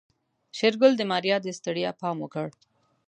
شېرګل د ماريا د ستړيا پام وکړ.